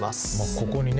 ここにね